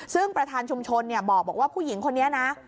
ซึ่งประธานชุมชนบอกว่าผู้หญิงคนนี้นะ